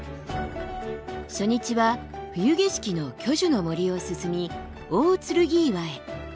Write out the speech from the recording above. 初日は冬景色の巨樹の森を進み大劔岩へ。